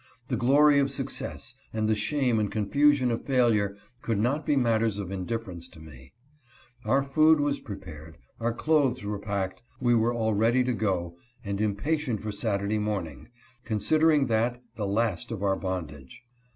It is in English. The glory of success and the shame and confusion of failure, could not be matters of indiffer ence to me. Our food was prepared, our clothes were packed ; we were already to go, and impatient for Satur day morning — considering that the last of our bondage.